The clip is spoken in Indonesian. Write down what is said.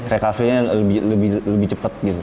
recovery nya lebih cepat gitu